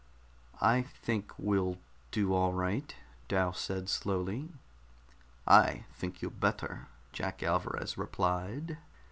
"I think we'll do all right," Dal said slowly. "I think you'd better," Jack Alvarez replied.